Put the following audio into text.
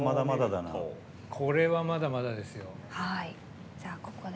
これは、まだまだですよ。